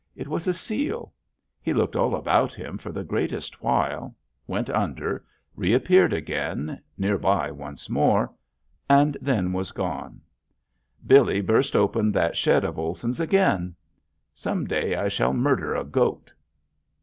It was a seal. He looked all about him for the greatest while, went under, reappeared again near by once more, and then was gone. Billy burst open that shed of Olson's again. Some day I shall murder a goat!